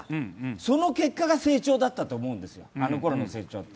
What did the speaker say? その結果が成長だったと思うんですよ、あの頃の成長って。